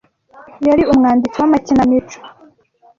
yari umwanditsi w'amakinamico